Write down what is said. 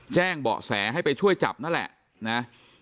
แจ้งเบาะแสให้ไปช่วยจับนั่นแหละนะ